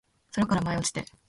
空から舞い落ちて